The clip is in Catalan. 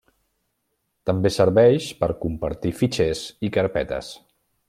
També serveix per compartir fitxers i carpetes.